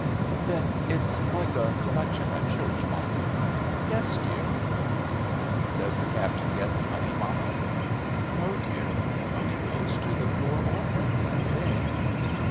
"Then it's like a collection at church, mamma?" "Yes, dear." "And does the captain get the money, mamma?" "No, dear; the money goes to the poor orphans, I think."